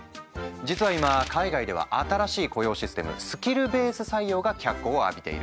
実は今海外では新しい雇用システムスキルベース採用が脚光を浴びている。